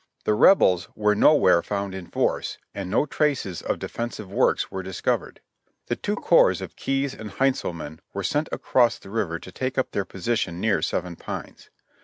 The rebels were nowhere found in force, and no traces of defensive works were discovered. The two corps of Keyes and Heintzelman were sent across the river to take up their position near Seven Pines.